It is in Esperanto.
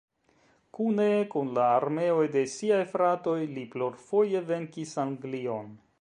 Kune kun la armeoj de siaj fratoj, li plurfoje venkis Anglion.